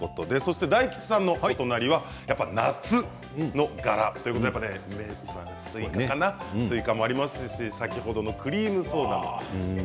大吉さんのお隣はやっぱり夏の柄。ということでスイカ柄水スイカもありますし先ほどのクリームソーダ。